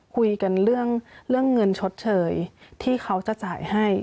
คุยกันเรื่องเงินชดเชยที่เขาจะจ่ายให้